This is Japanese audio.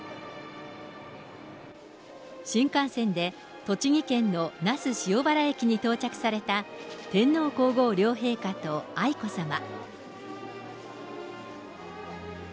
新幹線で栃木県の那須塩原駅に到着された天皇皇后両陛下と愛子さま。